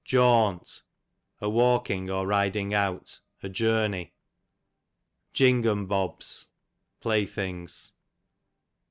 Jawnt, a walking, or riding out, a journey. Jingum bobs, play things.